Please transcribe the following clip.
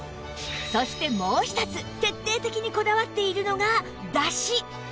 そしてもう一つ徹底的にこだわっているのがだし